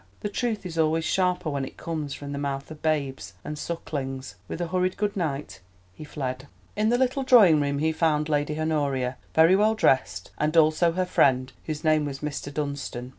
The truth is always sharper when it comes from the mouth of babes and sucklings. With a hurried good night he fled. In the little drawing room he found Lady Honoria, very well dressed, and also her friend, whose name was Mr. Dunstan.